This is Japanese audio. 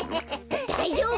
だだいじょうぶ！